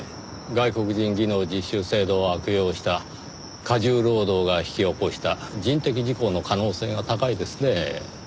外国人技能実習制度を悪用した過重労働が引き起こした人的事故の可能性が高いですねぇ。